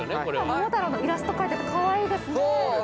桃太郎のイラスト描いててかわいいですね。